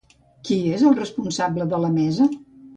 Qui és el responsable de la mesa?